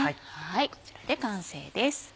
こちらで完成です。